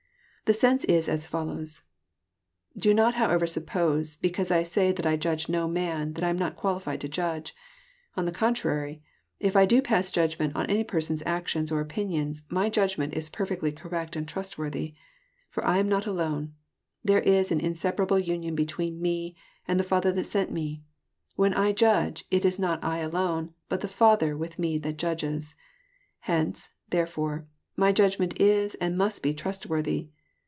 The sense is as follows :" Do not however suppose, because I say that I judge DO man, that I am not qualified to judge. On the contrary, if I do pass judgment on any person's actions or opinions, my judg ment is perfectly correct and trustworthy. For I am not alone. There is an inseparable union between Mc, and the Father that sent Me. When I judge, it is not I alone, but the Father with Me that judges. Hence, therefore, my judgment is and must be trustworthy."